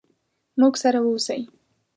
موږ سره ووسئ.